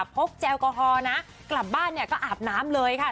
แอลกอฮอล์นะกลับบ้านเนี่ยก็อาบน้ำเลยค่ะ